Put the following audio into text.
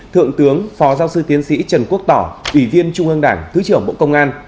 thượng tướng phó giáo sư tiến sĩ trần quốc tỏ ủy viên trung ương đảng thứ trưởng bộ công an